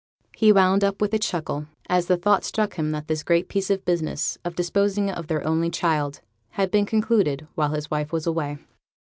He wound up with a chuckle, as the thought struck him that this great piece of business, of disposing of their only child, had been concluded while his wife was away.